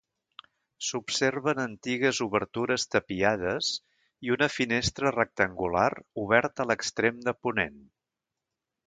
S'observen antigues obertures tapiades i una finestra rectangular oberta a l'extrem de ponent.